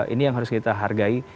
ini yang harus kita hargai